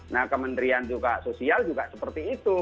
nah kementerian juga sosial juga seperti itu